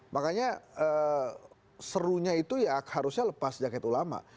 makanya serunya itu ya harusnya lepas jaket ulama